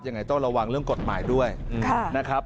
ยังไงต้องระวังเรื่องกฎหมายด้วยนะครับ